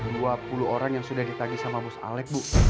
jumlah seluruhnya dua puluh orang yang sudah ditagih sama bos alec bu